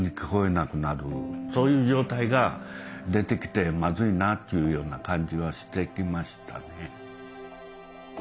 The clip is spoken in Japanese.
そういう状態が出てきてまずいなっていうような感じはしてきましたね。